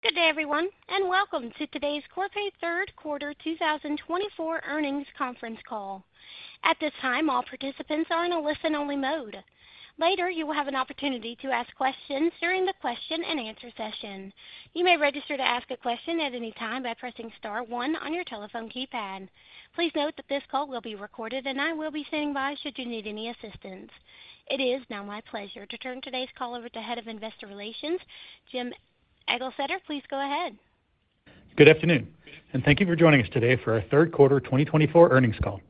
Good day, everyone, and welcome to today's Corpay Third Quarter 2024 earnings conference call. At this time, all participants are in a listen-only mode. Later, you will have an opportunity to ask questions during the question-and-answer session. You may register to ask a question at any time by pressing star one on your telephone keypad. Please note that this call will be recorded, and I will be standing by should you need any assistance. It is now my pleasure to turn today's call over to Head of Investor Relations, Jim Eglseder. Please go ahead. Good afternoon, and thank you for joining us today for our Third Quarter 2024 earnings call.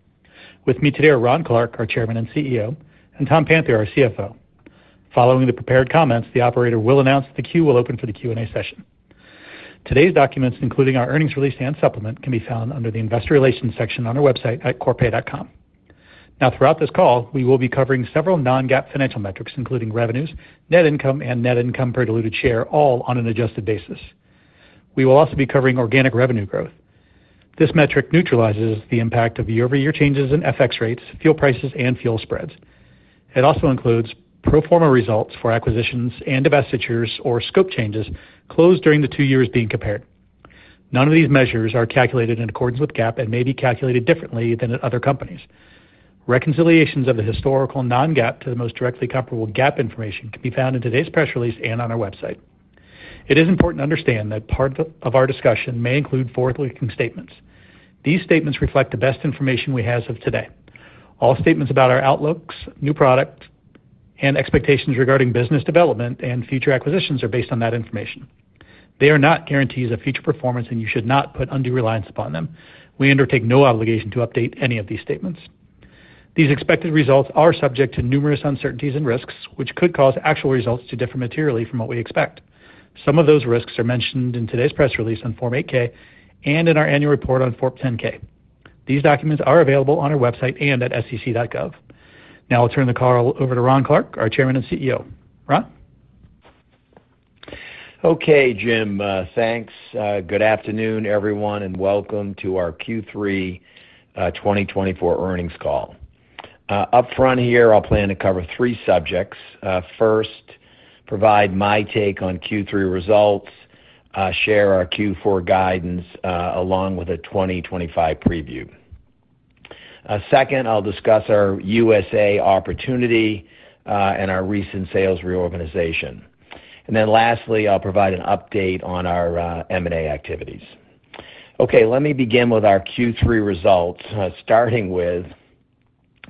With me today are Ron Clarke, our Chairman and CEO, and Tom Panther, our CFO. Following the prepared comments, the operator will announce that the queue will open for the Q&A session. Today's documents, including our earnings release and supplement, can be found under the Investor Relations section on our website at corpay.com. Now, throughout this call, we will be covering several non-GAAP financial metrics, including revenues, net income, and net income per diluted share, all on an adjusted basis. We will also be covering organic revenue growth. This metric neutralizes the impact of year-over-year changes in FX rates, fuel prices, and fuel spreads. It also includes pro forma results for acquisitions and divestitures or scope changes closed during the two years being compared. None of these measures are calculated in accordance with GAAP and may be calculated differently than at other companies. Reconciliations of the historical non-GAAP to the most directly comparable GAAP information can be found in today's press release and on our website. It is important to understand that part of our discussion may include forward-looking statements. These statements reflect the best information we have as of today. All statements about our outlooks, new products, and expectations regarding business development and future acquisitions are based on that information. They are not guarantees of future performance, and you should not put undue reliance upon them. We undertake no obligation to update any of these statements. These expected results are subject to numerous uncertainties and risks, which could cause actual results to differ materially from what we expect. Some of those risks are mentioned in today's press release on Form 8-K and in our annual report on Form 10-K. These documents are available on our website and at sec.gov. Now, I'll turn the call over to Ron Clarke, our Chairman and CEO. Ron? Okay, Jim. Thanks. Good afternoon, everyone, and welcome to our Q3 2024 earnings call. Upfront here, I'll plan to cover three subjects. First, provide my take on Q3 results, share our Q4 guidance, along with a 2025 preview. Second, I'll discuss our USA opportunity and our recent sales reorganization. And then lastly, I'll provide an update on our M&A activities. Okay, let me begin with our Q3 results, starting with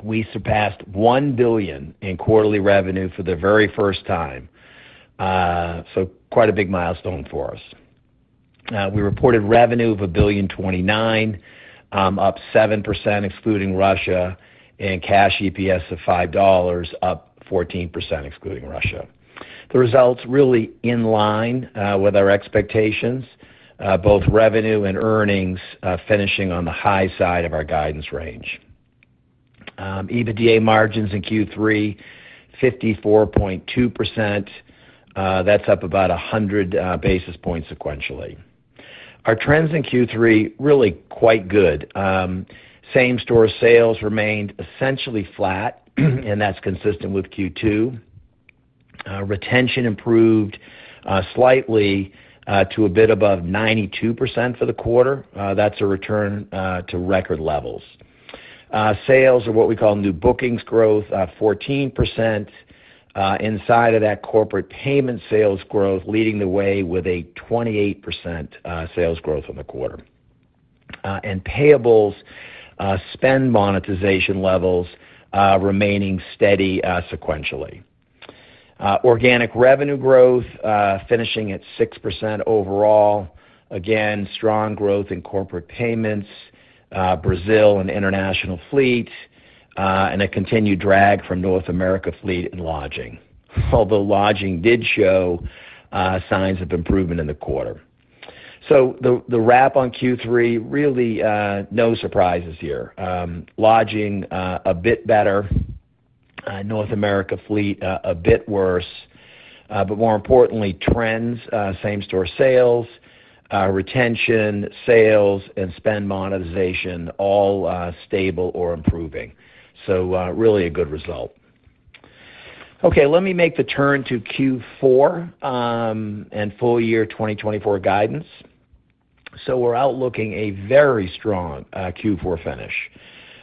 we surpassed $1 billion in quarterly revenue for the very first time, so quite a big milestone for us. We reported revenue of $1.29 billion, up 7% excluding Russia, and cash EPS of $5, up 14% excluding Russia. The results really in line with our expectations, both revenue and earnings finishing on the high side of our guidance range. EBITDA margins in Q3, 54.2%. That's up about 100 basis points sequentially. Our trends in Q3 really quite good. Same-store sales remained essentially flat, and that's consistent with Q2. Retention improved slightly to a bit above 92% for the quarter. That's a return to record levels. Sales are what we call new bookings growth, 14%. Inside of that, corporate payment sales growth leading the way with a 28% sales growth in the quarter. And payables, spend monetization levels remaining steady sequentially. Organic revenue growth finishing at 6% overall. Again, strong growth in corporate payments, Brazil and international fleet, and a continued drag from North America fleet and lodging, although lodging did show signs of improvement in the quarter. So the wrap on Q3, really no surprises here. Lodging a bit better, North America fleet a bit worse, but more importantly, trends, same-store sales, retention, sales, and spend monetization all stable or improving. So really a good result. Okay, let me make the turn to Q4 and full year 2024 guidance. So we're outlooking a very strong Q4 finish.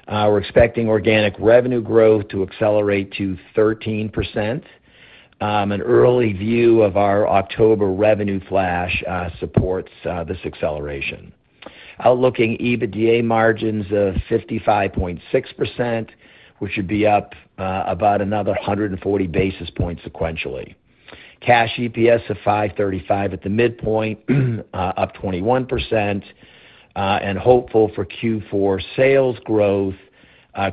We're expecting organic revenue growth to accelerate to 13%. An early view of our October revenue flash supports this acceleration. Outlooking EBITDA margins of 55.6%, which would be up about another 140 basis points sequentially. Cash EPS of 5.35 at the midpoint, up 21%, and hopeful for Q4 sales growth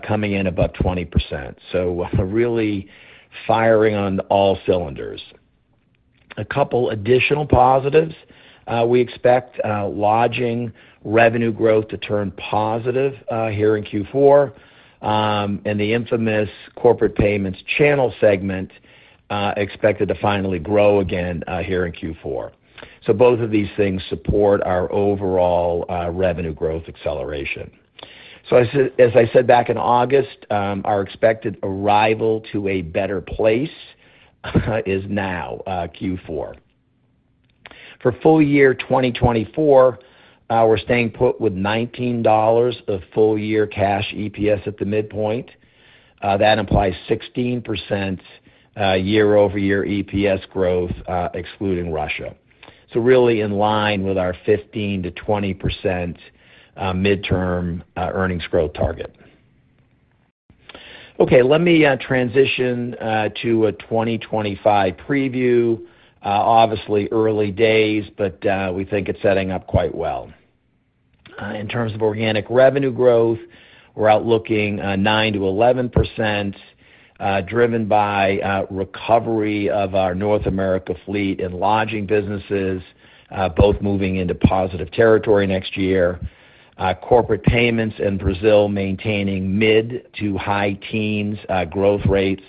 coming in above 20%. So really firing on all cylinders. A couple additional positives. We expect lodging revenue growth to turn positive here in Q4, and the infamous corporate payments channel segment expected to finally grow again here in Q4. So both of these things support our overall revenue growth acceleration. So as I said back in August, our expected arrival to a better place is now Q4. For full year 2024, we're staying put with $19 of full year Cash EPS at the midpoint. That implies 16% year-over-year EPS growth excluding Russia. So really in line with our 15%-20% midterm earnings growth target. Okay, let me transition to a 2025 preview. Obviously, early days, but we think it's setting up quite well. In terms of organic revenue growth, we're outlooking 9%-11% driven by recovery of our North America fleet and lodging businesses, both moving into positive territory next year. Corporate payments in Brazil maintaining mid to high teens growth rates.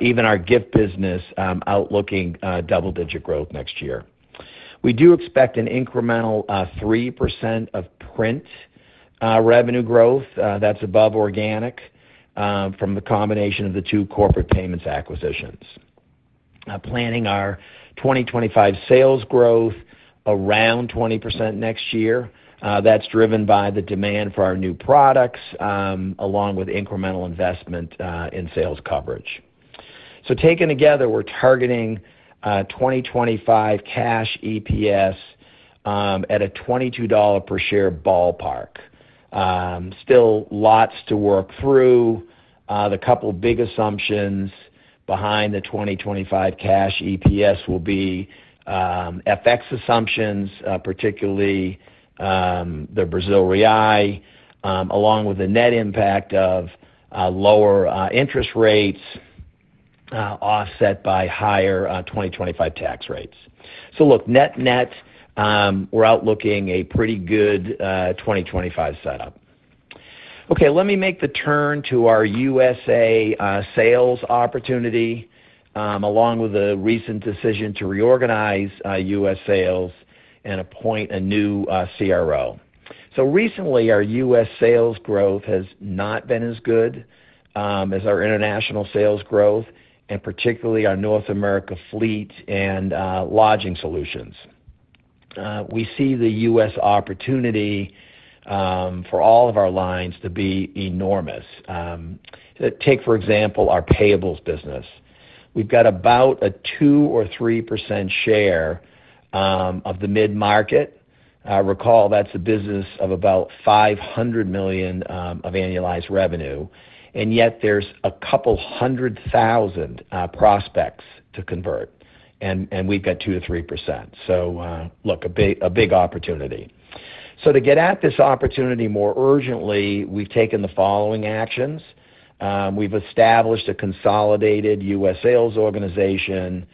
Even our gift business outlooking double-digit growth next year. We do expect an incremental 3% of print revenue growth. That's above organic from the combination of the two corporate payments acquisitions. Planning our 2025 sales growth around 20% next year. That's driven by the demand for our new products along with incremental investment in sales coverage. So taken together, we're targeting 2025 cash EPS at a $22 per share ballpark. Still lots to work through. The couple big assumptions behind the 2025 cash EPS will be FX assumptions, particularly the Brazil real, along with the net impact of lower interest rates offset by higher 2025 tax rates. So look, net net, we're outlooking a pretty good 2025 setup. Okay, let me make the turn to our USA sales opportunity along with the recent decision to reorganize US sales and appoint a new CRO. So recently, our US sales growth has not been as good as our international sales growth, and particularly our North America fleet and lodging solutions. We see the US opportunity for all of our lines to be enormous. Take, for example, our payables business. We've got about a 2%-3% share of the mid-market. Recall, that's a business of about $500 million of annualized revenue. And yet, there's a couple hundred thousand prospects to convert, and we've got 2%-3%. So look, a big opportunity. So to get at this opportunity more urgently, we've taken the following actions. We've established a consolidated U.S. sales organization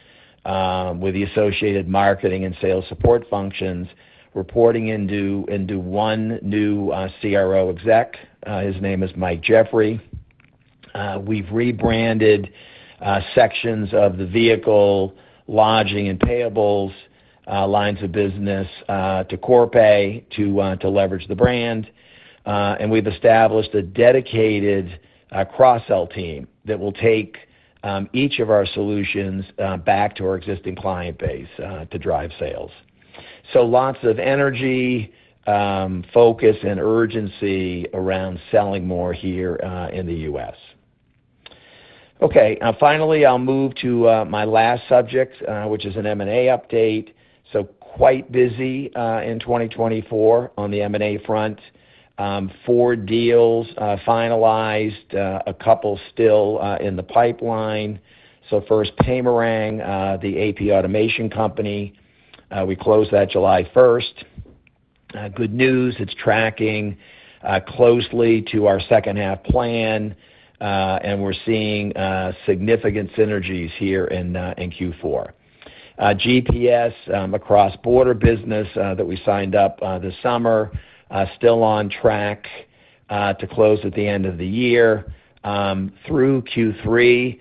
with the associated marketing and sales support functions, reporting into one new CRO exec. His name is Mike Jeffrey. We've rebranded sections of the vehicle, lodging, and payables lines of business to Corpay to leverage the brand. And we've established a dedicated cross-sell team that will take each of our solutions back to our existing client base to drive sales. So lots of energy, focus, and urgency around selling more here in the U.S. Okay, finally, I'll move to my last subject, which is an M&A update. Quite busy in 2024 on the M&A front. Four deals finalized, a couple still in the pipeline. First, Paymerang, the AP automation company. We closed that July 1st. Good news. It's tracking closely to our second-half plan, and we're seeing significant synergies here in Q4. GPS, cross-border business that we signed up this summer, still on track to close at the end of the year. Through Q3,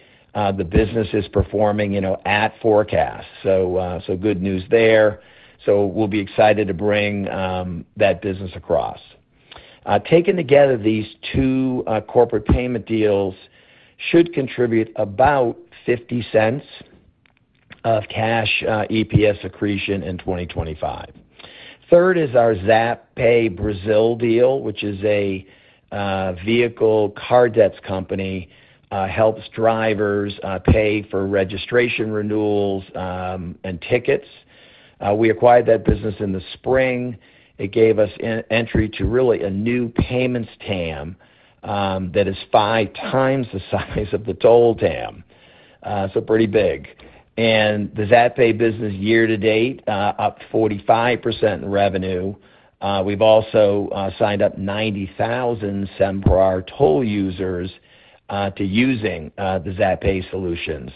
the business is performing at forecast. Good news there. We'll be excited to bring that business across. Taken together, these two corporate payment deals should contribute about $0.50 of cash EPS accretion in 2025. Third is our Zapay Brazil deal, which is a vehicle debt payment company. Helps drivers pay for registration renewals and tickets. We acquired that business in the spring. It gave us entry to really a new payments TAM that is five times the size of the toll TAM. So pretty big. And the Zapay business year to date, up 45% in revenue. We've also signed up 90,000 Sem Parar toll users to using the Zapay solutions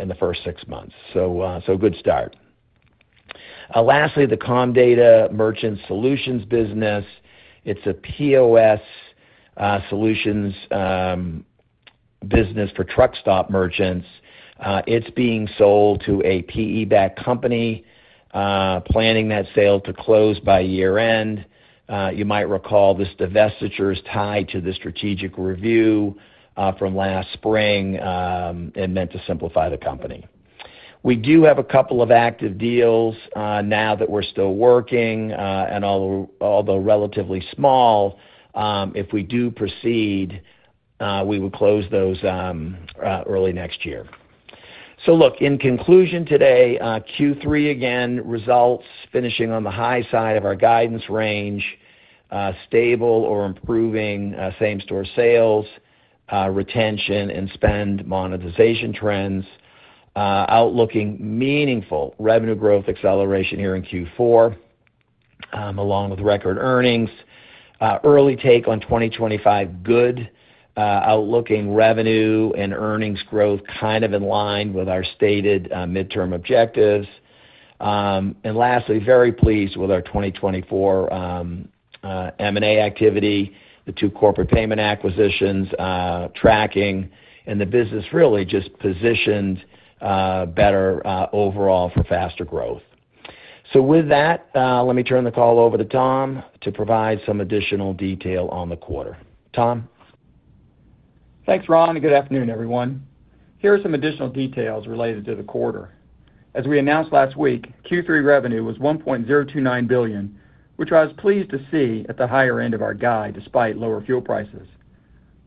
in the first six months. So good start. Lastly, the Comdata Merchant Solutions business. It's a POS solutions business for truck stop merchants. It's being sold to a PE-backed company, planning that sale to close by year-end. You might recall this divestiture is tied to the strategic review from last spring and meant to simplify the company. We do have a couple of active deals now that we're still working, and although relatively small, if we do proceed, we will close those early next year. So, look, in conclusion today, Q3 again results finishing on the high side of our guidance range, stable or improving same-store sales, retention, and spend monetization trends, outlooking meaningful revenue growth acceleration here in Q4 along with record earnings. Early take on 2025, good outlooking revenue and earnings growth kind of in line with our stated midterm objectives. And lastly, very pleased with our 2024 M&A activity, the two corporate payment acquisitions tracking, and the business really just positioned better overall for faster growth. So with that, let me turn the call over to Tom to provide some additional detail on the quarter. Tom. Thanks, Ron. And good afternoon, everyone. Here are some additional details related to the quarter. As we announced last week, Q3 revenue was $1.029 billion, which I was pleased to see at the higher end of our guide despite lower fuel prices.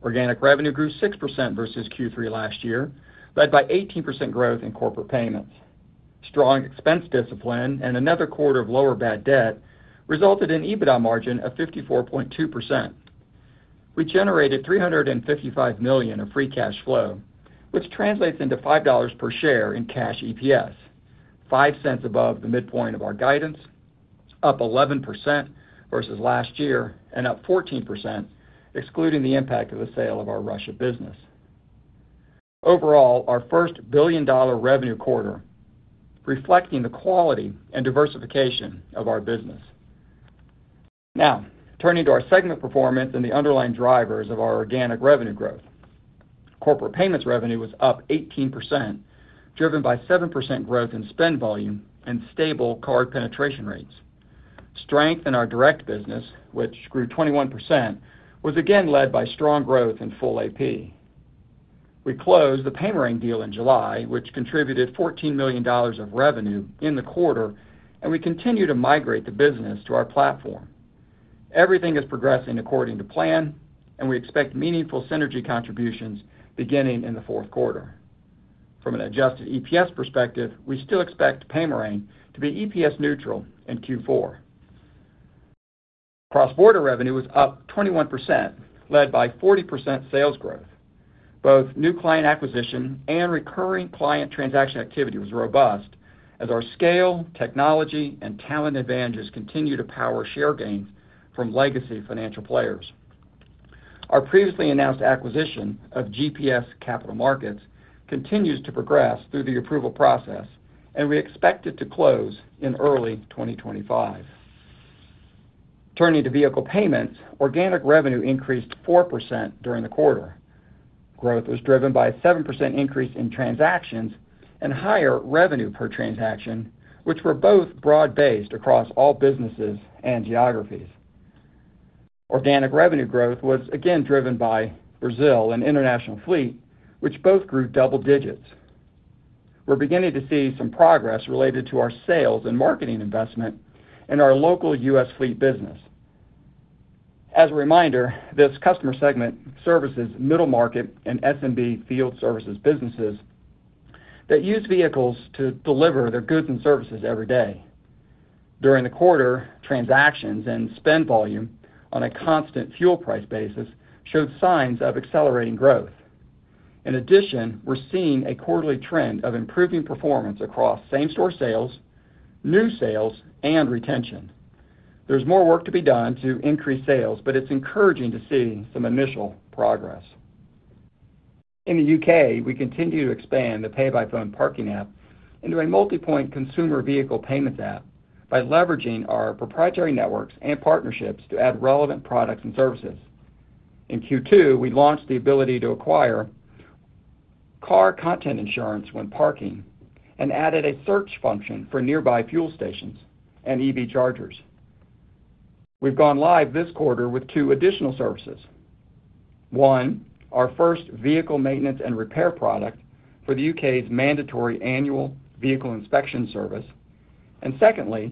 Organic revenue grew 6% versus Q3 last year, led by 18% growth in corporate payments. Strong expense discipline and another quarter of lower bad debt resulted in EBITDA margin of 54.2%. We generated $355 million of free cash flow, which translates into $5 per share in cash EPS, $0.05 above the midpoint of our guidance, up 11% versus last year, and up 14%, excluding the impact of the sale of our Russia business. Overall, our first billion-dollar revenue quarter, reflecting the quality and diversification of our business. Now, turning to our segment performance and the underlying drivers of our organic revenue growth. Corporate payments revenue was up 18%, driven by 7% growth in spend volume and stable card penetration rates. Strength in our direct business, which grew 21%, was again led by strong growth in full AP. We closed the Paymerang deal in July, which contributed $14 million of revenue in the quarter, and we continue to migrate the business to our platform. Everything is progressing according to plan, and we expect meaningful synergy contributions beginning in the fourth quarter. From an adjusted EPS perspective, we still expect Paymerang to be EPS neutral in Q4. Cross-border revenue was up 21%, led by 40% sales growth. Both new client acquisition and recurring client transaction activity was robust as our scale, technology, and talent advantages continue to power share gains from legacy financial players. Our previously announced acquisition of GPS Capital Markets continues to progress through the approval process, and we expect it to close in early 2025. Turning to vehicle payments, organic revenue increased 4% during the quarter. Growth was driven by a 7% increase in transactions and higher revenue per transaction, which were both broad-based across all businesses and geographies. Organic revenue growth was again driven by Brazil and international fleet, which both grew double digits. We're beginning to see some progress related to our sales and marketing investment in our local U.S. fleet business. As a reminder, this customer segment services middle market and SMB field services businesses that use vehicles to deliver their goods and services every day. During the quarter, transactions and spend volume on a constant fuel price basis showed signs of accelerating growth. In addition, we're seeing a quarterly trend of improving performance across same-store sales, new sales, and retention. There's more work to be done to increase sales, but it's encouraging to see some initial progress. In the UK, we continue to expand the PayByPhone parking app into a multi-point consumer vehicle payments app by leveraging our proprietary networks and partnerships to add relevant products and services. In Q2, we launched the ability to acquire car content insurance when parking and added a search function for nearby fuel stations and EV chargers. We've gone live this quarter with two additional services. One, our first vehicle maintenance and repair product for the UK's mandatory annual vehicle inspection service. And secondly,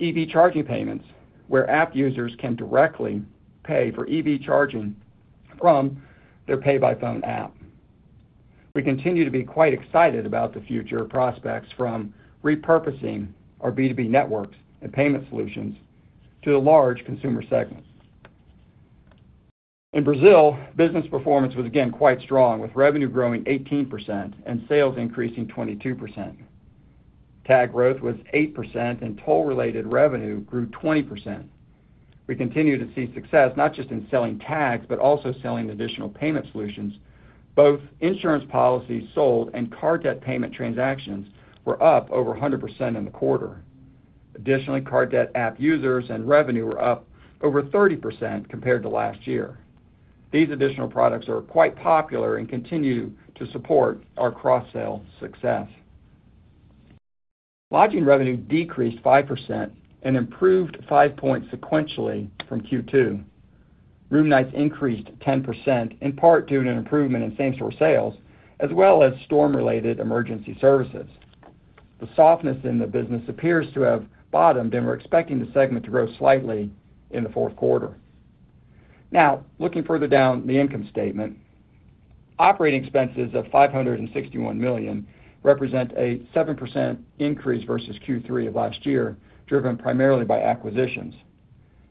EV charging payments, where app users can directly pay for EV charging from their PayByPhone app. We continue to be quite excited about the future prospects from repurposing our B2B networks and payment solutions to the large consumer segment. In Brazil, business performance was again quite strong, with revenue growing 18% and sales increasing 22%. Tag growth was 8%, and toll-related revenue grew 20%. We continue to see success not just in selling tags, but also selling additional payment solutions. Both insurance policies sold and car debt payment transactions were up over 100% in the quarter. Additionally, car debt app users and revenue were up over 30% compared to last year. These additional products are quite popular and continue to support our cross-sale success. Lodging revenue decreased 5% and improved five points sequentially from Q2. Room nights increased 10%, in part due to an improvement in same-store sales, as well as storm-related emergency services. The softness in the business appears to have bottomed and we're expecting the segment to grow slightly in the fourth quarter. Now, looking further down the income statement, operating expenses of $561 million represent a 7% increase versus Q3 of last year, driven primarily by acquisitions.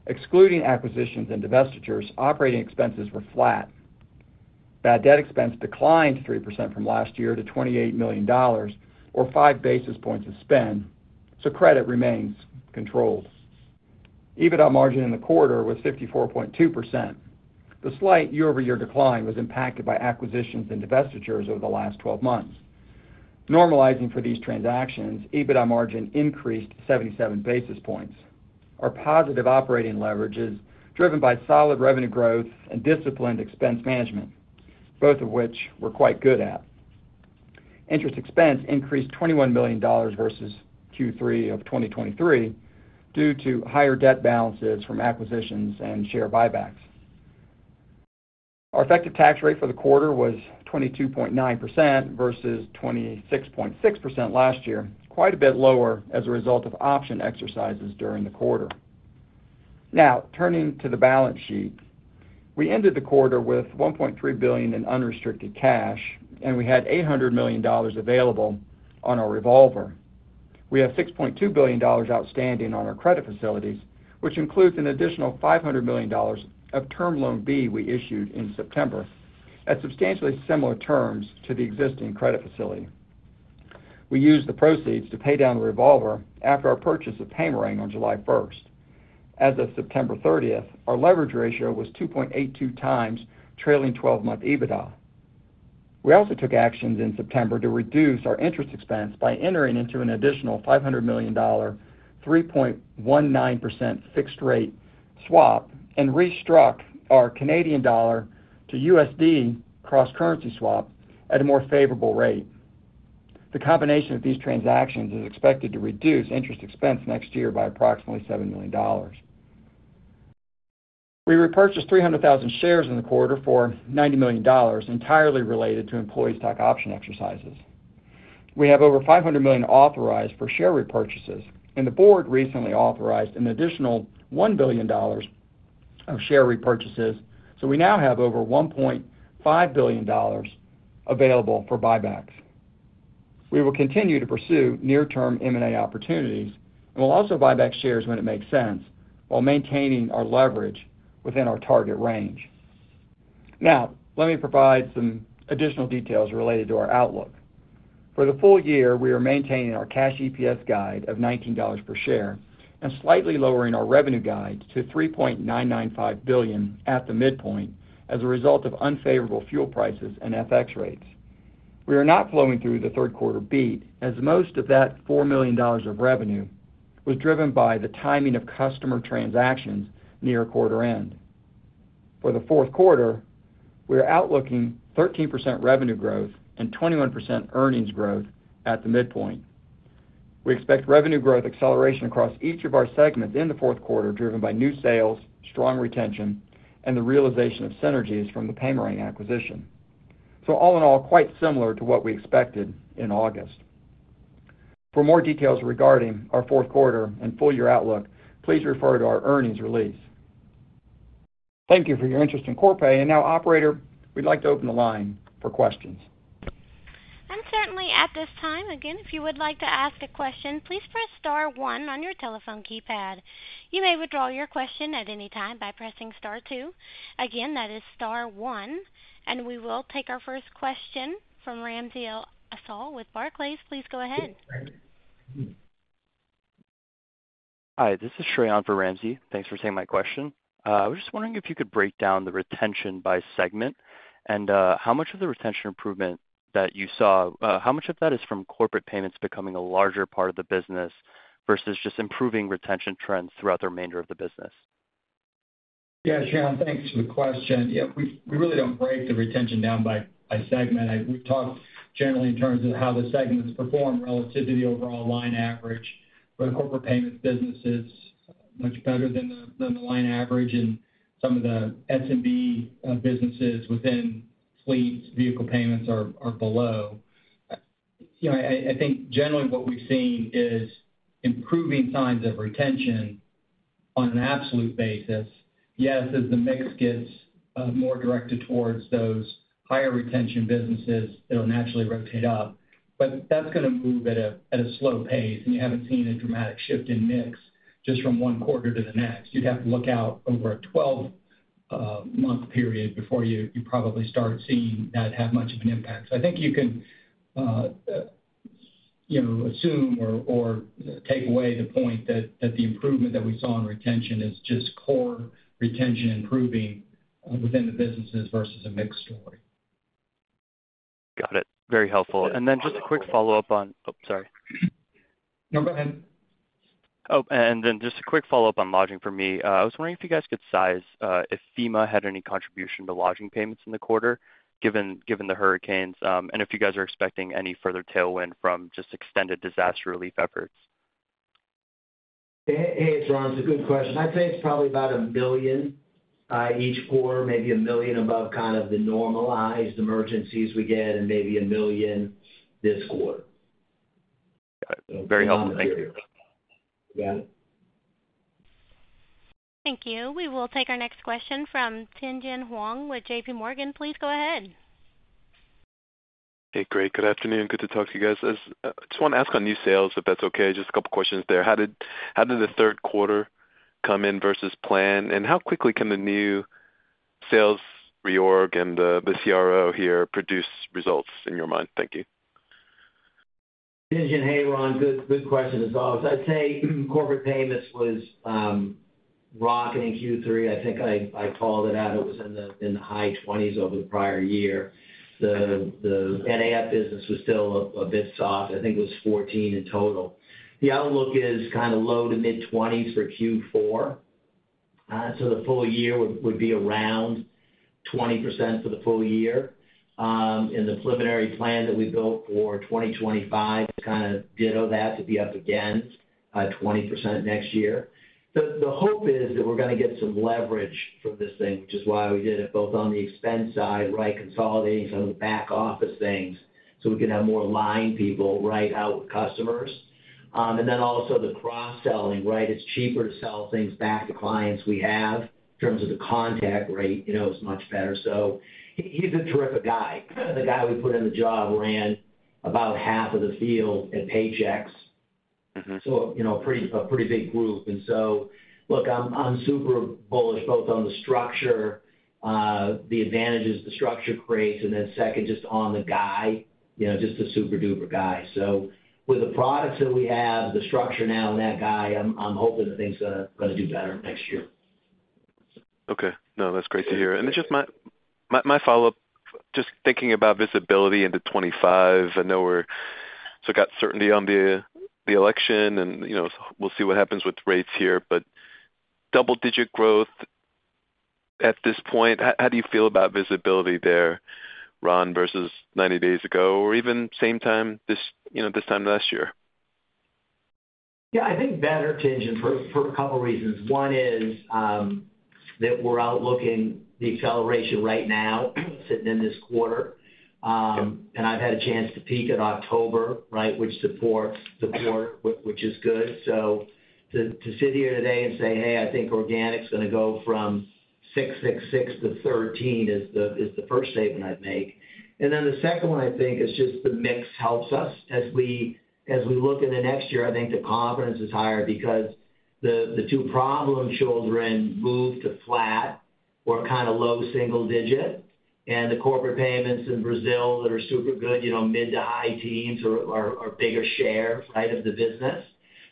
Excluding acquisitions and divestitures, operating expenses were flat. Bad debt expense declined 3% from last year to $28 million, or five basis points of spend, so credit remains controlled. EBITDA margin in the quarter was 54.2%. The slight year-over-year decline was impacted by acquisitions and divestitures over the last 12 months. Normalizing for these transactions, EBITDA margin increased 77 basis points. Our positive operating leverage is driven by solid revenue growth and disciplined expense management, both of which we're quite good at. Interest expense increased $21 million versus Q3 of 2023 due to higher debt balances from acquisitions and share buybacks. Our effective tax rate for the quarter was 22.9% versus 26.6% last year, quite a bit lower as a result of option exercises during the quarter. Now, turning to the balance sheet, we ended the quarter with $1.3 billion in unrestricted cash, and we had $800 million available on our revolver. We have $6.2 billion outstanding on our credit facilities, which includes an additional $500 million of term loan B we issued in September at substantially similar terms to the existing credit facility. We used the proceeds to pay down the revolver after our purchase of Paymerang on July 1st. As of September 30th, our leverage ratio was 2.82 times trailing 12-month EBITDA. We also took actions in September to reduce our interest expense by entering into an additional $500 million 3.19% fixed rate swap and restruck our Canadian dollar to USD cross-currency swap at a more favorable rate. The combination of these transactions is expected to reduce interest expense next year by approximately $7 million. We repurchased 300,000 shares in the quarter for $90 million, entirely related to employee stock option exercises. We have over $500 million authorized for share repurchases, and the board recently authorized an additional $1 billion of share repurchases, so we now have over $1.5 billion available for buybacks. We will continue to pursue near-term M&A opportunities and will also buy back shares when it makes sense while maintaining our leverage within our target range. Now, let me provide some additional details related to our outlook. For the full year, we are maintaining our cash EPS guide of $19 per share and slightly lowering our revenue guide to $3.995 billion at the midpoint as a result of unfavorable fuel prices and FX rates. We are not flowing through the third quarter beat as most of that $4 million of revenue was driven by the timing of customer transactions near quarter end. For the fourth quarter, we are outlooking 13% revenue growth and 21% earnings growth at the midpoint. We expect revenue growth acceleration across each of our segments in the fourth quarter, driven by new sales, strong retention, and the realization of synergies from the Paymerang acquisition. So all in all, quite similar to what we expected in August. For more details regarding our fourth quarter and full year outlook, please refer to our earnings release. Thank you for your interest in Corpay. And now, Operator, we'd like to open the line for questions. Certainly, at this time, again, if you would like to ask a question, please press Star 1 on your telephone keypad. You may withdraw your question at any time by pressing Star 2. Again, that is Star 1. And we will take our first question from Ramsey El-Assal with Barclays. Please go ahead. Hi, this is Sheroy from Ramsey. Thanks for taking my question. I was just wondering if you could break down the retention by segment and how much of the retention improvement that you saw, how much of that is from corporate payments becoming a larger part of the business versus just improving retention trends throughout the remainder of the business? Yeah, Sheroy, thanks for the question. Yeah, we really don't break the retention down by segment. We talked generally in terms of how the segments perform relative to the overall line average. For the corporate payments business, it's much better than the line average, and some of the S&B businesses within fleet vehicle payments are below. I think generally what we've seen is improving signs of retention on an absolute basis. Yes, as the mix gets more directed towards those higher retention businesses, it'll naturally rotate up, but that's going to move at a slow pace, and you haven't seen a dramatic shift in mix just from one quarter to the next. You'd have to look out over a 12-month period before you probably start seeing that have much of an impact. So I think you can assume or take away the point that the improvement that we saw in retention is just core retention improving within the businesses versus a mixed story. Got it. Very helpful. And then just a quick follow-up on, oh, sorry. No, go ahead. Oh, and then just a quick follow-up on lodging for me. I was wondering if you guys could size if FEMA had any contribution to lodging payments in the quarter, given the hurricanes, and if you guys are expecting any further tailwind from just extended disaster relief efforts. Hey, Sheroy, it's a good question. I'd say it's probably about $1 million each quarter, maybe $1 million above kind of the normalized emergencies we get and maybe $1 million this quarter. Got it. Very helpful. Thank you. Got it. Thank you. We will take our next question from Tien-tsin Huang with JPMorgan. Please go ahead. Hey, Greg. Good afternoon. Good to talk to you guys. I just want to ask on new sales, if that's okay, just a couple of questions there. How did the third quarter come in versus plan? And how quickly can the new sales reorg and the CRO here produce results in your mind? Thank you. Tien-tsin, hey, Ron, good question as well. So I'd say corporate payments was rocketing Q3. I think I called it out. It was in the high 20s% over the prior year. The NAF business was still a bit soft. I think it was 14% in total. The outlook is kind of low to mid-20s% for Q4. So the full year would be around 20% for the full year. And the preliminary plan that we built for 2025 kind of ditto that to be up against 20% next year. The hope is that we're going to get some leverage from this thing, which is why we did it, both on the expense side, right, consolidating some of the back office things so we can have more line people right out with customers. And then also the cross-selling, right? It's cheaper to sell things back to clients we have in terms of the contact rate. It's much better. So he's a terrific guy. The guy we put in the job ran about half of the field at Paychex. So a pretty big group. And so, look, I'm super bullish both on the structure, the advantages the structure creates, and then second, just on the guy, just a super duper guy. So with the products that we have, the structure now, and that guy, I'm hoping that things are going to do better next year. Okay. No, that's great to hear, and just my follow-up, just thinking about visibility into '25. I know we're still got certainty on the election, and we'll see what happens with rates here, but double-digit growth at this point, how do you feel about visibility there, Ron, versus 90 days ago or even same time this time last year? Yeah, I think better, Tien-tsin, for a couple of reasons. One is that we're outlooking the acceleration right now sitting in this quarter, and I've had a chance to peek in October, right, which supports the quarter, which is good, so to sit here today and say, "Hey, I think organic's going to go from 6%, 6%, 6% to 13%," is the first statement I'd make, and then the second one, I think, is just the mix helps us. As we look into next year, I think the confidence is higher because the two problem children moved to flat or kind of low single digit, and the corporate payments in Brazil that are super good, mid- to high teens are bigger shares, right, of the business,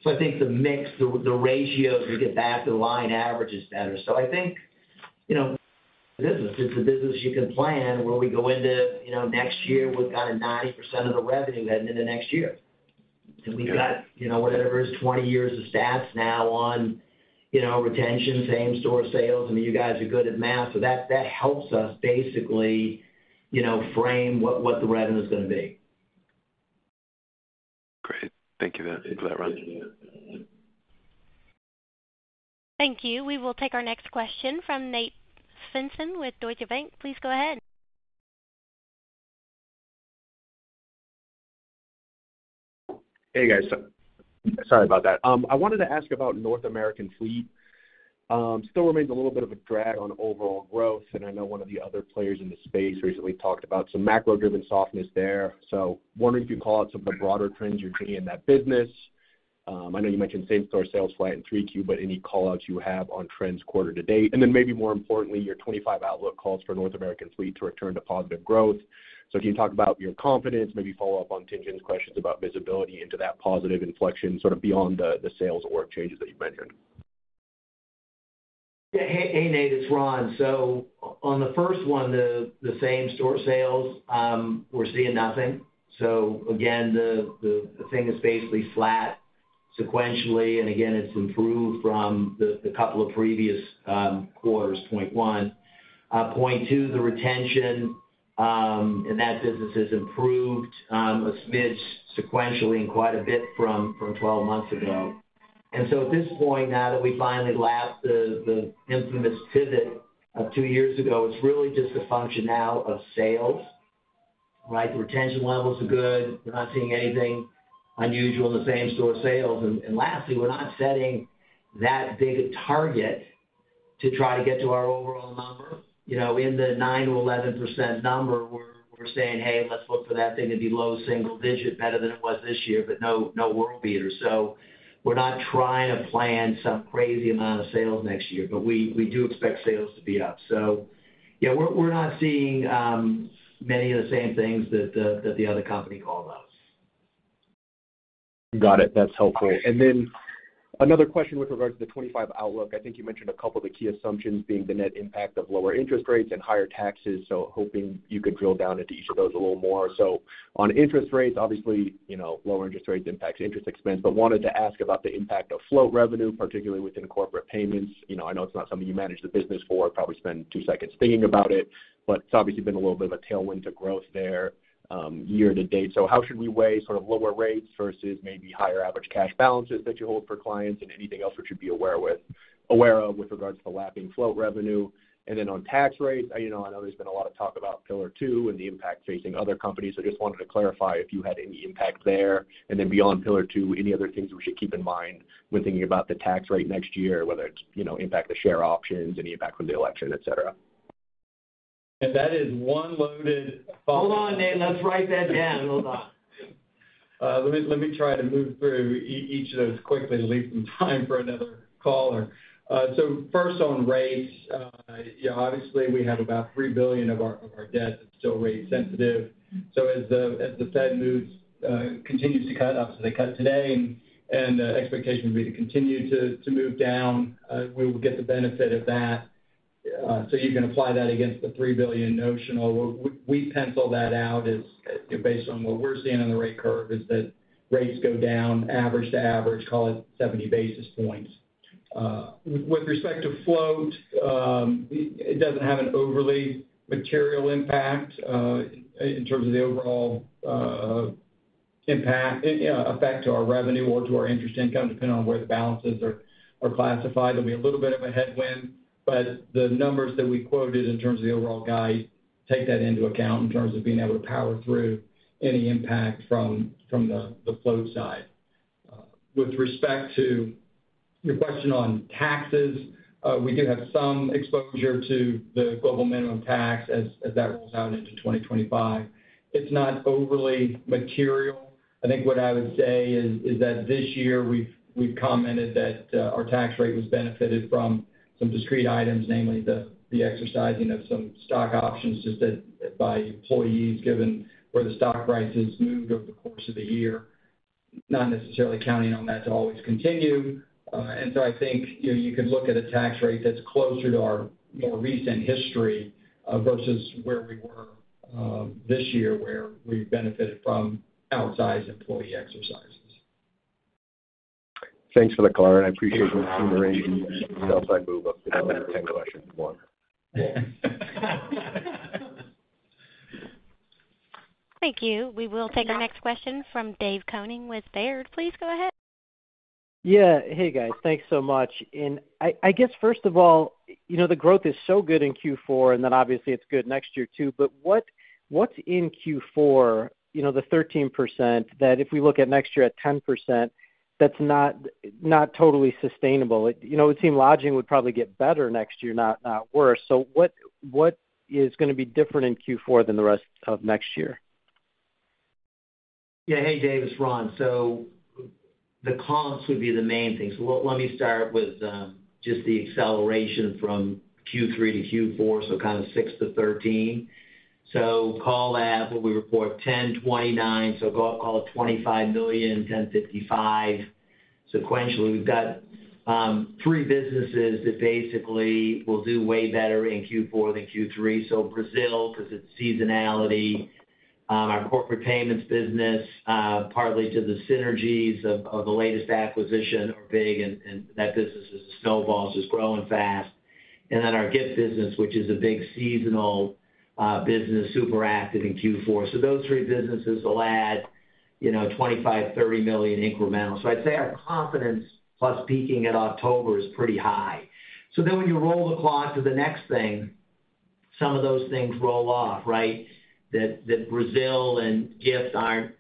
so I think the mix, the ratios we get back to the long-term average is better. So I think the business, it's a business you can plan where we go into next year, we've got 90% of the revenue heading into next year. And we've got whatever is 20 years of stats now on retention, same-store sales. I mean, you guys are good at math. So that helps us basically frame what the revenue is going to be. Great. Thank you for that, Ron. Thank you. We will take our next question from Nate Svensson with Deutsche Bank. Please go ahead. Hey, guys. Sorry about that. I wanted to ask about North American Fleet. Still remains a little bit of a drag on overall growth. And I know one of the other players in the space recently talked about some macro-driven softness there. So wondering if you'd call out some of the broader trends you're seeing in that business. I know you mentioned same-store sales flat in 3Q, but any callouts you have on trends quarter to date. And then maybe more importantly, your 2025 outlook calls for North American Fleet to return to positive growth. So can you talk about your confidence, maybe follow up on Tien-tsin Huang's questions about visibility into that positive inflection sort of beyond the sales org changes that you mentioned? Yeah. Hey, Nate. It's Ron. So on the first one, the same-store sales, we're seeing nothing, so again, the thing is basically flat sequentially, and again, it's improved from the couple of previous quarters, 0.1%, 0.2%, the retention in that business has improved a smidge sequentially and quite a bit from 12 months ago, and so at this point, now that we finally lapped the infamous pivot of two years ago, it's really just a function now of sales, right? The retention levels are good. We're not seeing anything unusual in the same-store sales, and lastly, we're not setting that big a target to try to get to our overall number. In the 9%-11% number, we're saying, "Hey, let's look for that thing to be low single digit, better than it was this year, but no world beater." So we're not trying to plan some crazy amount of sales next year, but we do expect sales to be up. So yeah, we're not seeing many of the same things that the other company called out. Got it. That's helpful. And then another question with regards to the 2025 outlook. I think you mentioned a couple of the key assumptions being the net impact of lower interest rates and higher taxes. So hoping you could drill down into each of those a little more. So on interest rates, obviously, lower interest rates impact interest expense. But wanted to ask about the impact of float revenue, particularly within corporate payments. I know it's not something you manage the business for. Probably spend two seconds thinking about it. But it's obviously been a little bit of a tailwind to growth there year to date. So how should we weigh sort of lower rates versus maybe higher average cash balances that you hold for clients and anything else we should be aware of with regards to lapping float revenue? And then on tax rates, I know there's been a lot of talk about Pillar 2 and the impact facing other companies. So just wanted to clarify if you had any impact there? And then beyond Pillar 2, any other things we should keep in mind when thinking about the tax rate next year, whether it's impact the share options, any impact from the election, etc. If that is one loaded thought. Hold on, Nate. Let's write that down. Hold on. Let me try to move through each of those quickly to leave some time for another caller, so first on rates, obviously, we have about $3 billion of our debt that's still rate-sensitive. So as the Fed continues to cut, obviously, they cut today, and the expectation would be to continue to move down, we will get the benefit of that. So you can apply that against the $3 billion notional. We pencil that out based on what we're seeing on the rate curve is that rates go down average to average, call it 70 basis points. With respect to float, it doesn't have an overly material impact in terms of the overall impact effect to our revenue or to our interest income, depending on where the balances are classified. There'll be a little bit of a headwind. But the numbers that we quoted in terms of the overall guide take that into account in terms of being able to power through any impact from the float side. With respect to your question on taxes, we do have some exposure to the Global Minimum Tax as that rolls out into 2025. It's not overly material. I think what I would say is that this year, we've commented that our tax rate was benefited from some discrete items, namely the exercising of some stock options just by employees given where the stock prices moved over the course of the year, not necessarily counting on that to always continue. And so I think you could look at a tax rate that's closer to our more recent history versus where we were this year where we benefited from outsized employee exercises. Thanks for the call, and I appreciate you seeing the range in yourself. I move up to the 10 questions more. Thank you. We will take our next question from David Koning with Baird. Please go ahead. Yeah. Hey, guys. Thanks so much. And I guess, first of all, the growth is so good in Q4, and then obviously, it's good next year too. But what's in Q4, the 13%, that if we look at next year at 10%, that's not totally sustainable? It seemed lodging would probably get better next year, not worse. So what is going to be different in Q4 than the rest of next year? Yeah. Hey, Dave. It's Ron. So the comps would be the main thing. So let me start with just the acceleration from Q3 to Q4, so kind of 6%-13%. So call that, what we report, 10.29%. So call it $25 million, 10.55%. Sequentially, we've got three businesses that basically will do way better in Q4 than Q3. So Brazil, because it's seasonality. Our corporate payments business, partly to the synergies of the latest acquisition, are big, and that business is a snowball. It's just growing fast. And then our gift business, which is a big seasonal business, super active in Q4. So those three businesses will add $25-$30 million incremental. So I'd say our confidence plus peaking at October is pretty high. So then when you roll the clock to the next thing, some of those things roll off, right, that Brazil and gift aren't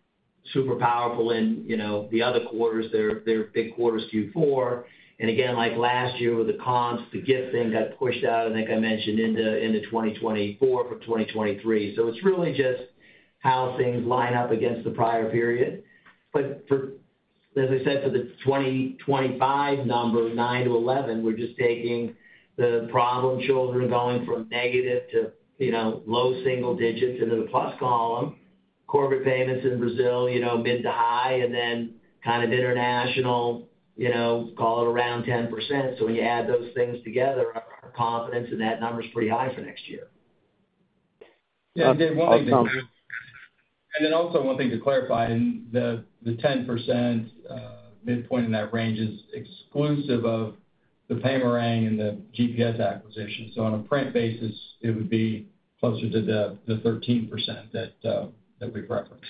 super powerful in the other quarters. They're big quarters, Q4, and again, like last year with the comps, the gift thing got pushed out, I think I mentioned, into 2024 for 2023, so it's really just how things line up against the prior period, but as I said, for the 2025 number, 9%-11%, we're just taking the problem children going from negative to low single digits into the plus column. Corporate payments in Brazil, mid to high, and then kind of international, call it around 10%, so when you add those things together, our confidence in that number is pretty high for next year. Yeah. And then also one thing to clarify, the 10% midpoint in that range is exclusive of the Paymerang and the GPS acquisition. So on a print basis, it would be closer to the 13% that we've referenced.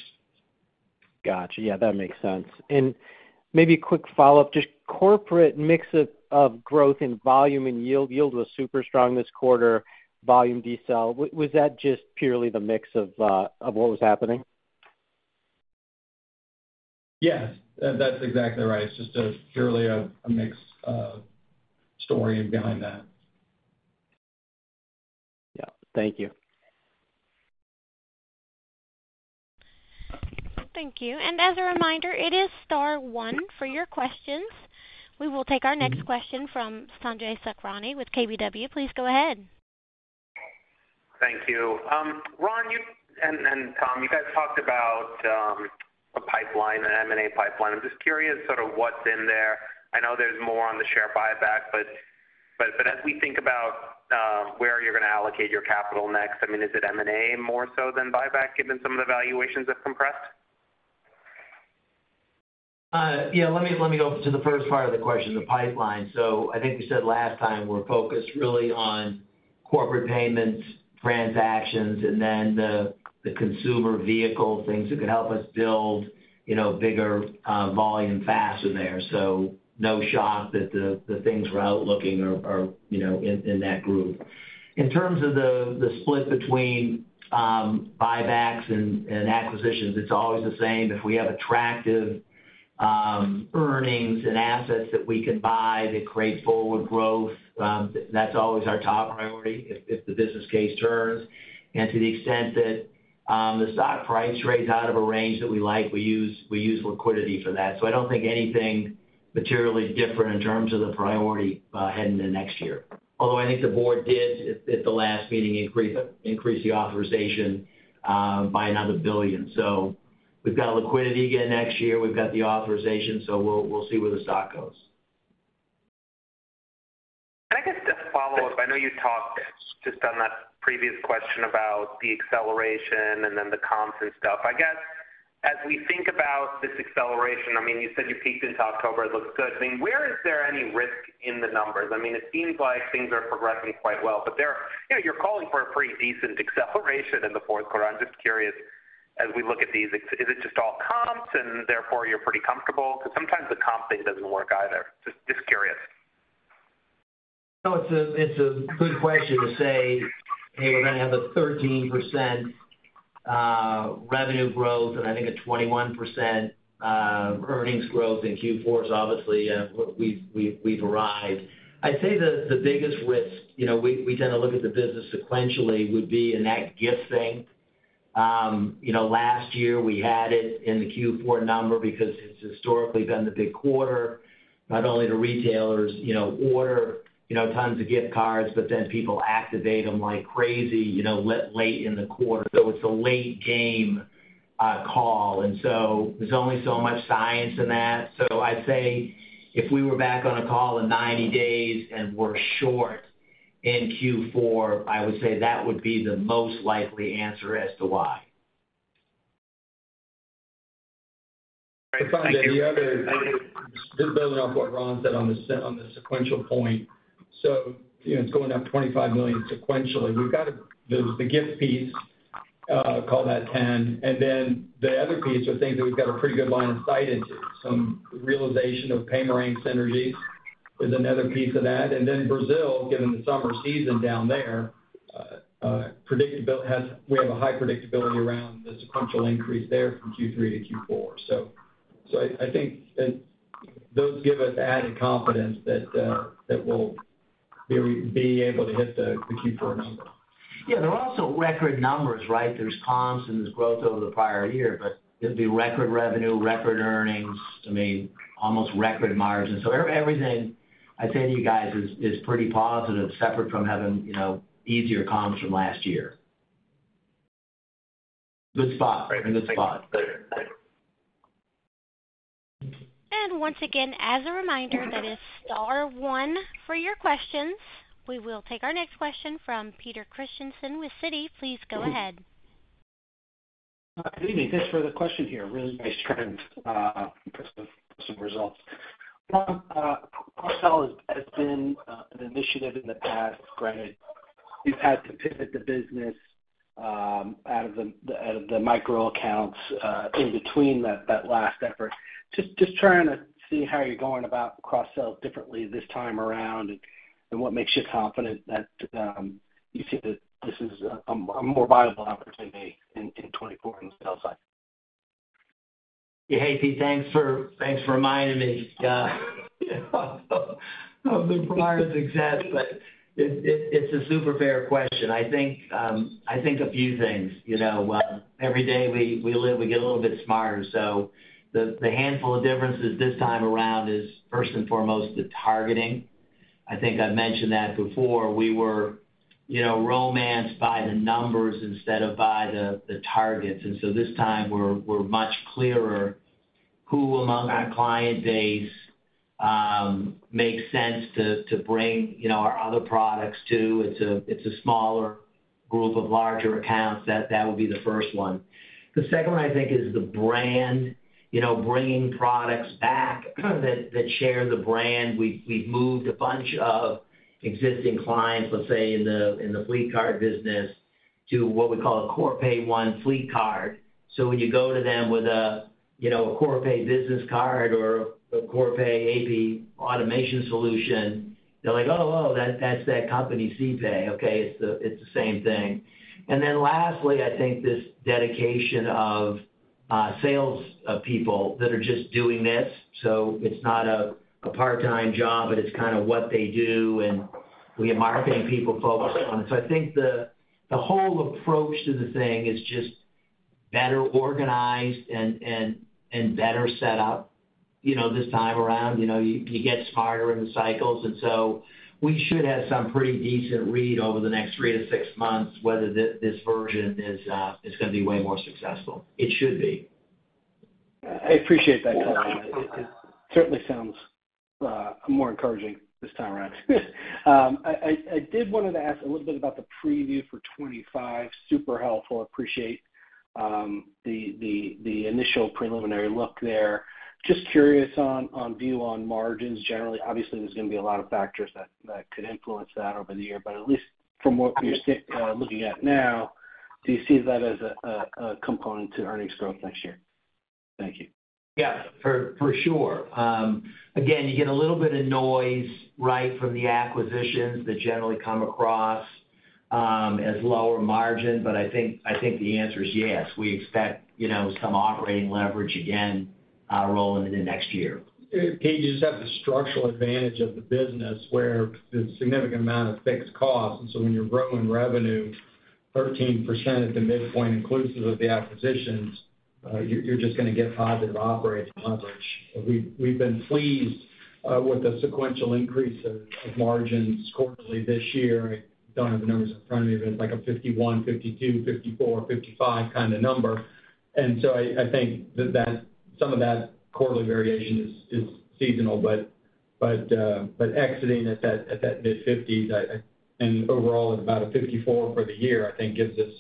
Gotcha. Yeah, that makes sense, and maybe a quick follow-up, just corporate mix of growth and volume and yield. Yield was super strong this quarter, volume decel. Was that just purely the mix of what was happening? Yes. That's exactly right. It's just purely a mix of story and behind that. Yeah. Thank you. Thank you. And as a reminder, it is star one for your questions. We will take our next question from Sanjay Sakrani with KBW. Please go ahead. Thank you. Ron and Tom, you guys talked about a pipeline, an M&A pipeline. I'm just curious sort of what's in there. I know there's more on the share buyback, but as we think about where you're going to allocate your capital next, I mean, is it M&A more so than buyback given some of the valuations that have compressed? Yeah. Let me go to the first part of the question, the pipeline. So I think we said last time we're focused really on corporate payments, transactions, and then the consumer vehicle things that could help us build bigger volume faster there. So no shock that the things we're outlooking are in that group. In terms of the split between buybacks and acquisitions, it's always the same. If we have attractive earnings and assets that we can buy that create forward growth, that's always our top priority if the business case turns. And to the extent that the stock price trades out of a range that we like, we use liquidity for that. So I don't think anything materially different in terms of the priority heading into next year. Although I think the board did, at the last meeting, increase the authorization by another $1 billion. So we've got liquidity again next year. We've got the authorization. So we'll see where the stock goes. I guess just to follow up, I know you talked just on that previous question about the acceleration and then the comps and stuff. I guess as we think about this acceleration, I mean, you said you peeked into October. It looks good. I mean, where is there any risk in the numbers? I mean, it seems like things are progressing quite well, but you're calling for a pretty decent acceleration in the fourth quarter. I'm just curious, as we look at these, is it just all comps and therefore you're pretty comfortable? Because sometimes the comp thing doesn't work either. Just curious. No, it's a good question to say, "Hey, we're going to have a 13% revenue growth and I think a 21% earnings growth in Q4." So obviously, we've arrived. I'd say the biggest risk, we tend to look at the business sequentially, would be in that gift thing. Last year, we had it in the Q4 number because it's historically been the big quarter, not only to retailers order tons of gift cards, but then people activate them like crazy late in the quarter. So it's a late game call. And so there's only so much science in that. So I'd say if we were back on a call in 90 days and we're short in Q4, I would say that would be the most likely answer as to why. I think the other, just building off what Ron said on the sequential point. So it's going up $25 million sequentially. We've got the gift piece, call that $10. And then the other piece are things that we've got a pretty good line of sight into. So realization of Paymerang synergies is another piece of that. And then Brazil, given the summer season down there, we have a high predictability around the sequential increase there from Q3 to Q4. So I think those give us added confidence that we'll be able to hit the Q4 number. Yeah. There are also record numbers, right? There's comps and there's growth over the prior year, but it'll be record revenue, record earnings, I mean, almost record margins. So everything I say to you guys is pretty positive, separate from having easier comps from last year. Good spot. Very good spot. And once again, as a reminder, that is star one for your questions. We will take our next question from Peter Christiansen with Citi. Please go ahead. Good evening. Thanks for the question here. Really nice trend for some results. Cross-sell has been an initiative in the past. Granted, we've had to pivot the business out of the micro accounts in between that last effort. Just trying to see how you're going about cross-sell differently this time around and what makes you confident that you see that this is a more viable opportunity in 2024 on the sell side? Hey, Pete. Thanks for reminding me of the prior success, but it's a super fair question. I think a few things. Every day we live, we get a little bit smarter. So the handful of differences this time around is, first and foremost, the targeting. I think I've mentioned that before. We were romanced by the numbers instead of by the targets. And so this time, we're much clearer who among our client base makes sense to bring our other products to. It's a smaller group of larger accounts. That would be the first one. The second one, I think, is the brand, bringing products back that share the brand. We've moved a bunch of existing clients, let's say, in the fleet card business to what we call a Corpay One fleet card. So when you go to them with a Corpay business card or a Corpay AP automation solution, they're like, "Oh, oh, that's that company CPAY." Okay. It's the same thing. And then lastly, I think this dedication of salespeople that are just doing this. So it's not a part-time job, but it's kind of what they do, and we have marketing people focused on it. So I think the whole approach to the thing is just better organized and better set up this time around. You get smarter in the cycles. And so we should have some pretty decent read over the next three-to-six months whether this version is going to be way more successful. It should be. I appreciate that, Tom. It certainly sounds more encouraging this time around. I did want to ask a little bit about the preview for 2025. Super helpful. Appreciate the initial preliminary look there. Just curious on view on margins generally. Obviously, there's going to be a lot of factors that could influence that over the year, but at least from what you're looking at now, do you see that as a component to earnings growth next year? Thank you. Yeah. For sure. Again, you get a little bit of noise, right, from the acquisitions that generally come across as lower margin, but I think the answer is yes. We expect some operating leverage again rolling into next year. Pages have the structural advantage of the business where there's a significant amount of fixed costs. And so when you're growing revenue, 13% at the midpoint, inclusive of the acquisitions, you're just going to get positive operating leverage. We've been pleased with the sequential increase of margins quarterly this year. I don't have the numbers in front of me, but it's like a 51%, 52%, 54%, 55% kind of number. And so I think that some of that quarterly variation is seasonal, but exiting at that mid-50s% and overall at about a 54% for the year, I think gives us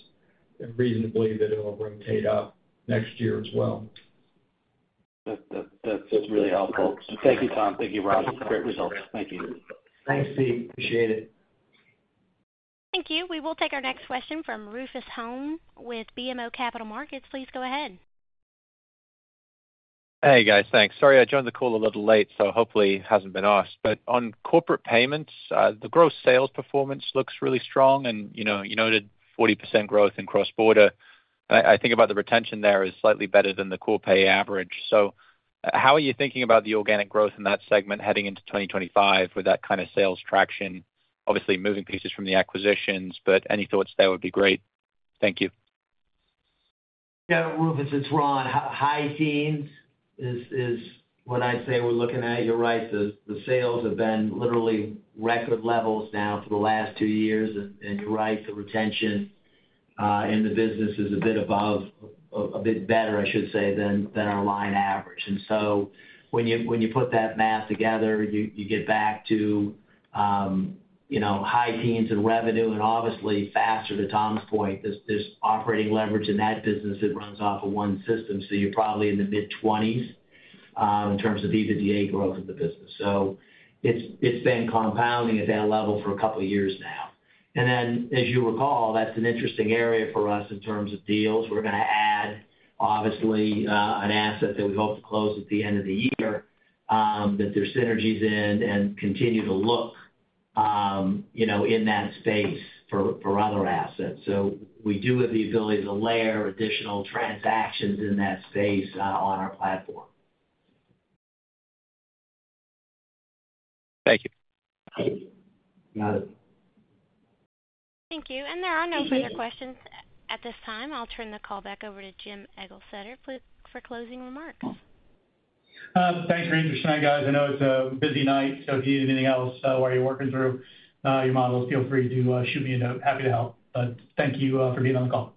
reason to believe that it will rotate up next year as well. That's really helpful. Thank you, Tom. Thank you, Ron. Great results. Thank you. Thanks, Pete. Appreciate it. Thank you. We will take our next question from Rufus Hone with BMO Capital Markets. Please go ahead. Hey, guys. Thanks. Sorry, I joined the call a little late, so hopefully it hasn't been asked. But on corporate payments, the gross sales performance looks really strong, and you noted 40% growth in cross-border. I think about the retention there is slightly better than the Corpay average. So how are you thinking about the organic growth in that segment heading into 2025 with that kind of sales traction? Obviously, moving pieces from the acquisitions, but any thoughts there would be great. Thank you. Yeah. Rufus, it's Ron. High teens is what I'd say we're looking at. You're right. The sales have been literally record levels now for the last two years. And you're right. The retention in the business is a bit above, a bit better, I should say, than our line average. And so when you put that math together, you get back to high teens in revenue. And obviously, faster to Tom's point, there's operating leverage in that business that runs off of one system. So you're probably in the mid-20s in terms of EBITDA growth of the business. So it's been compounding at that level for a couple of years now. And then, as you recall, that's an interesting area for us in terms of deals. We're going to add, obviously, an asset that we hope to close at the end of the year that there's synergies in and continue to look in that space for other assets. So we do have the ability to layer additional transactions in that space on our platform. Thank you. Got it. Thank you. And there are no further questions at this time. I'll turn the call back over to Jim Eglseder for closing remarks. Thanks for interesting night, guys. I know it's a busy night, so if you need anything else while you're working through your models, feel free to shoot me a note. Happy to help, but thank you for being on the call.